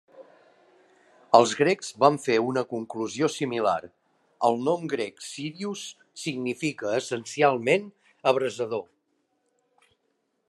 Els grecs van fer una conclusió similar: el nom grec Sírius significa essencialment abrasador.